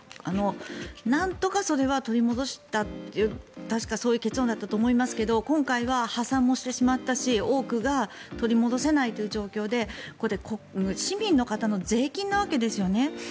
なんとかそれは取り戻したという確かそういう結論だったと思いますが今回は破産もしてしまいましたし多くが取り戻せないという状況でこれ市民の方の税金なわけですよね。